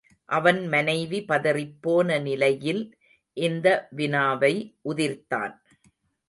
அவன் மனைவி பதறிப்போன நிலையில் இந்த வினாவை உதிர்த்தான்.